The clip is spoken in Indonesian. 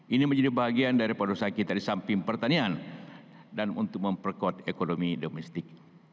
ini menjadi bagian dari padus sakit dari samping pertanian dan untuk memperkuat ekonomi domestik